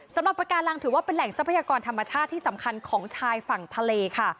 ปากการังถือว่าเป็นแหล่งทรัพยากรธรรมชาติที่สำคัญของชายฝั่งทะเลค่ะ